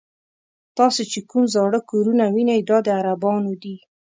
تاسې چې کوم زاړه کورونه وینئ دا د عربانو دي.